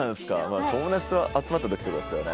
友達と集まった時とかですよね